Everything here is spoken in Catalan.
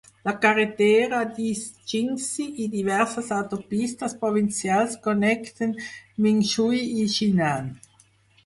La carretera d'East Jingshi i diverses autopistes provincials connecten Mingshui i Jinan.